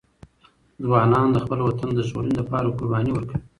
ځوانان د خپل وطن د ژغورنې لپاره قرباني ورکوي.